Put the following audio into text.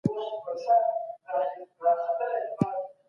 سیلابونو ډېر ځله پخواني کلي له منځه وړي دي.